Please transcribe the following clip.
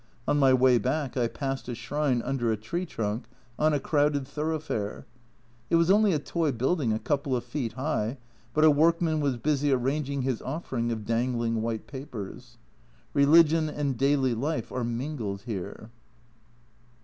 On my way back I passed a shrine under a tree trunk on a crowded thoroughfare. It was only a toy building a couple of feet high, but a workman was busy arranging his offering of dangling white papers. Religion and daily life are mingled here.